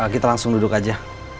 kita langsung duduk aja